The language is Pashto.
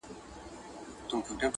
o هم لری، هم ناولی، هم ناوخته راستولی.